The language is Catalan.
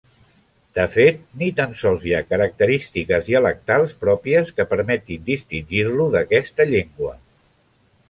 De fet, ni tan sols hi ha característiques dialectals pròpies que permetin distingir-lo d'aquesta llengua.